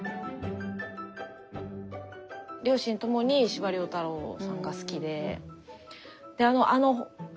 両親ともに司馬遼太郎さんが好きで。